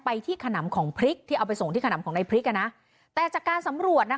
ที่ขนำของพริกที่เอาไปส่งที่ขนำของในพริกอ่ะนะแต่จากการสำรวจนะคะ